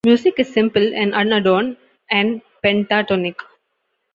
Music is simple and unadorned, and pentatonic.